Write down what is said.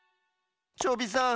チョビさん。